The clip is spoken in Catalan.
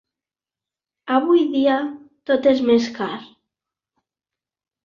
Avui dia tot és més car.